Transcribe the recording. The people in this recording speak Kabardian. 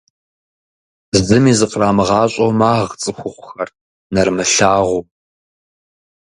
Зыми зыкърамыгъащӏэу, магъ цӏыхухъухэр нэрымылъагъуу.